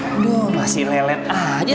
aduh masih lelet aja